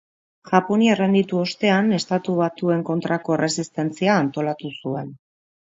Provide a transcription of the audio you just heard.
Japonia errenditu ostean, Estatu Batuen kontrako erresistentzia antolatu zuen.